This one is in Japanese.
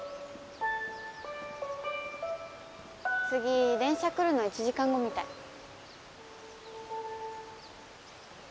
次電車来るの１時間後みたい。